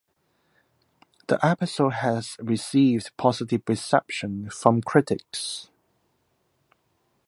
The episode has received positive reception from critics.